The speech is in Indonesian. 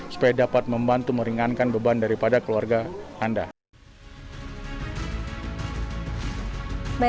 supaya dapat membantu meringankan beban daripada keluarga anda